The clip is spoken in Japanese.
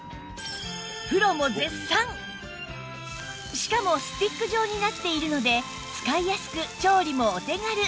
しかもスティック状になっているので使いやすく調理もお手軽